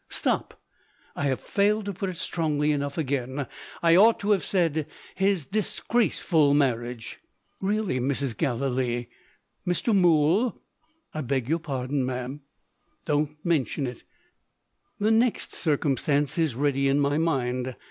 Stop! I have failed to put it strongly enough again. I ought to have said, his disgraceful marriage." "Really, Mrs. Gallilee " "Mr. Mool!" "I beg your pardon, ma'am." "Don't mention it. The next circumstance is ready in my mind.